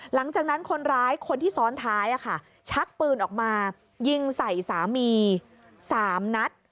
หลังจากนั้นคนร้ายคนที่ซ้อนท้ายชักปืนออกมายิงใส่สามี๓นัด